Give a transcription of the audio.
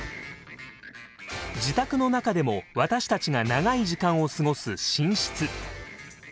自宅の中でも私たちが長い時間を過ごす寝室。